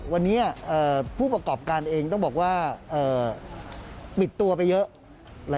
วันนี้ผู้ประกอบการเองปิดตัวไปเยอะ